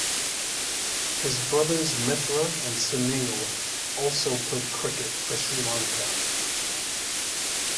His brothers Mithra and Sunil also played cricket for Sri Lanka.